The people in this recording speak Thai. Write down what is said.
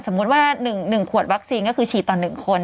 สมมุติว่า๑ขวดวัคซีนก็คือฉีดต่อนึงคน